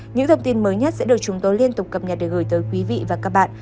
những thông tin mới nhất sẽ được chúng tôi liên tục cập nhật để gửi tới quý vị và các bạn